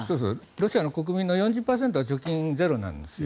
ロシアの国民の４０％は貯金ゼロなんです。